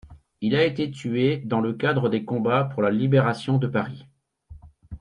Il a été tué dans le cadre des combats pour la Libération de Paris.